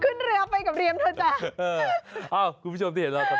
ขึ้นเรือไปกับเรียนเถอะจ้ะเอออ้าวคุณผู้ชมที่เห็นเรากำลัง